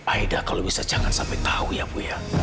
aida kalau bisa jangan sampai tahu ya bu ya